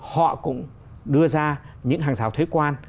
họ cũng đưa ra những hàng rào thuế quan